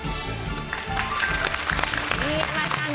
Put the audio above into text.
新山さん